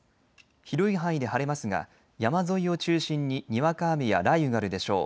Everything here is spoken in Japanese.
広い範囲で晴れますが山沿いを中心ににわか雨や雷雨があるでしょう。